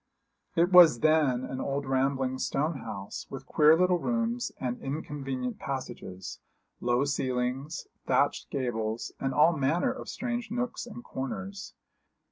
It was then an old rambling stone house, with queer little rooms and inconvenient passages, low ceilings, thatched gables, and all manner of strange nooks and corners.